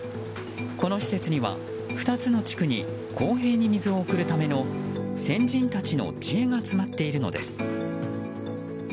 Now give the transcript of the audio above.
この施設には、２つの地区に公平に水を送るための先人たちの知恵が詰まっているのです。